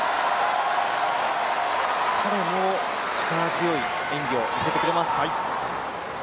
彼も力強い演技を見せてくれます。